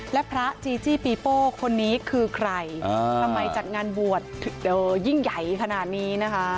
และพระจีจี้ปีโป้คนนี้คือใครทำไมจัดงานบวชยิ่งใหญ่ขนาดนี้นะคะ